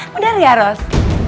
mudah ya ros